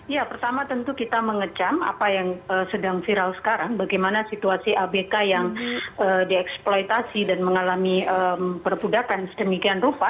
ya pertama tentu kita mengecam apa yang sedang viral sekarang bagaimana situasi abk yang dieksploitasi dan mengalami perbudakan sedemikian rupa